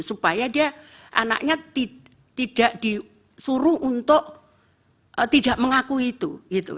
supaya dia anaknya tidak disuruh untuk tidak mengakui itu